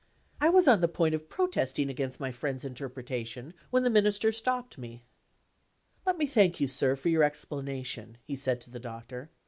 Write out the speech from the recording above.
I was on the point of protesting against my friend's interpretation, when the Minister stopped me. "Let me thank you, sir, for your explanation," he said to the Doctor.